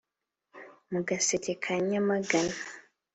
mu gaseke ka nyamagana,